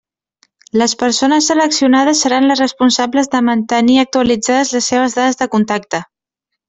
Les persones seleccionades seran les responsables de mantenir actualitzades les seves dades de contacte.